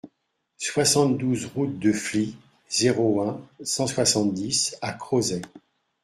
soixante-douze route de Flies, zéro un, cent soixante-dix à Crozet